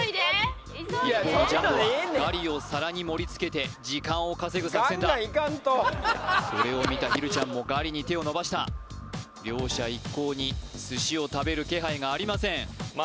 一方のジャンボはガリを皿に盛りつけて時間を稼ぐ作戦だそれを見たひるちゃんもガリに手を伸ばした両者一向に寿司を食べる気配がありません